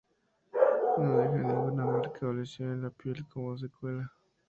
No dejan ninguna marca o lesión en la piel como secuela.